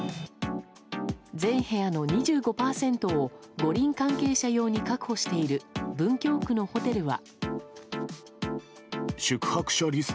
全部屋の２５％を五輪関係者用に確保している文京区のホテルは。